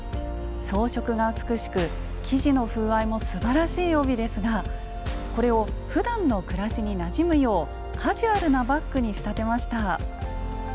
装飾が美しく生地の風合いもすばらしい帯ですがこれをふだんの暮らしになじむようカジュアルなバッグに仕立てました。